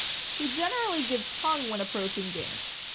He generally gives tongue when approaching game.